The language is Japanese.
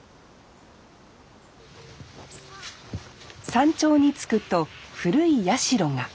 山頂に着くと古い社が。